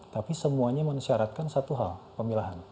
tapi semuanya mensyaratkan satu hal pemilahan